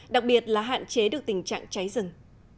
đặc biệt là hạn chế được tình trạng cháy rừng